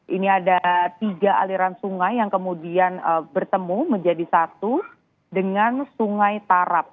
ini ada tiga aliran sungai yang kemudian bertemu menjadi satu dengan sungai tarap